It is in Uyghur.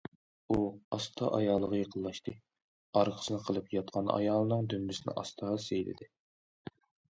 ئۇ ئاستا ئايالىغا يېقىنلاشتى، ئارقىسىنى قىلىپ ياتقان ئايالىنىڭ دۈمبىسىنى ئاستا سىيلىدى.